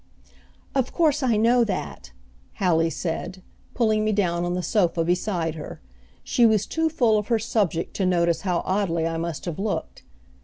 "Of course I know that," Hallie said, pulling me down on the sofa beside her. She was too full of her subject to notice how oddly I must have looked.